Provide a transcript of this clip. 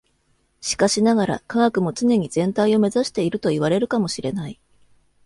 しかしながら、科学も常に全体を目指しているといわれるかも知れない。